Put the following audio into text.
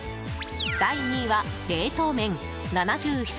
第２位は冷凍麺、７７人。